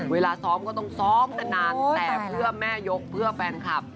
เวลาซ้อมก็ต้องซ้อมกันนานแต่เพื่อแม่ยกเพื่อแฟนคลับ